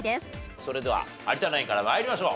それでは有田ナインから参りましょう。